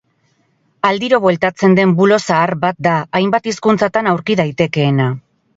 Aldiro bueltatzen den bulo zahar bat da, hainbat hizkuntzatan aurki daitekeena.